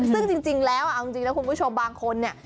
ซึ่งจริงแล้วเอาจริงนะคุณผู้ชมบางคนเนี่ย